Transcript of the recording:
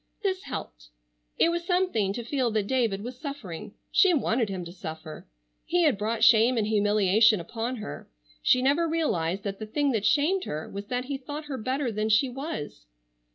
This helped. It was something to feel that David was suffering. She wanted him to suffer. He had brought shame and humiliation upon her. She never realized that the thing that shamed her was that he thought her better than she was.